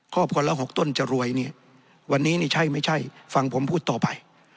ครอบครัวละ๖ต้นจะรวยเนี่ยวันนี้นี่ใช่ไม่ใช่ฟังผมพูดต่อไป